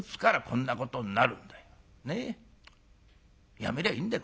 やめりゃあいいんだよ